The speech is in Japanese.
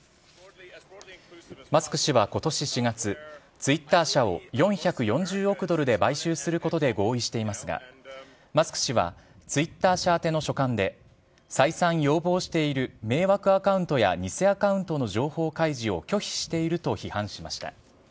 マスク氏はことし４月、ツイッター社を４４０億ドルで買収することで合意していますが、マスク氏はツイッター社宛ての書簡で、再三要望している迷惑アカウントや偽アカウントの情報開示を拒否していると批判しました。